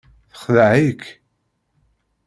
Texdeɛ-ik.